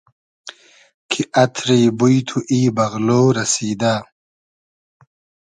کی اتری بوی تو ای بئغلۉ رئسیدۂ